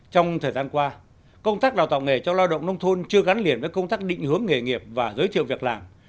trong thời gian qua công tác đào tạo nghề cho lao động nông thôn chưa gắn liền với công tác định hướng nghề nghiệp và giới thiệu việc làm